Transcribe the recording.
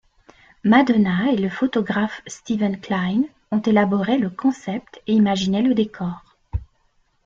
Madonna et le photographe Steven Klein ont élaboré le concept et imaginé le décor.